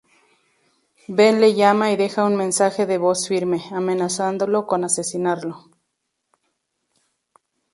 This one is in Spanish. Ben le llama y deja un mensaje de voz firme, amenazándolo con asesinarlo.